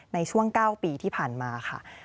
ในช่วง๙ปีที่ผ่านมาค่ะ